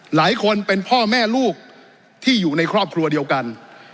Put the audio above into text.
หลายคนเป็นพ่อแม่ลูกที่อยู่ในครอบครัวเดียวกัน